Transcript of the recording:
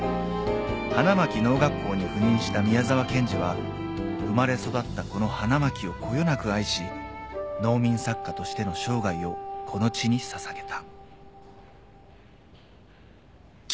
［花巻農学校に赴任した宮沢賢治は生まれ育ったこの花巻をこよなく愛し農民作家としての生涯をこの地に捧げた］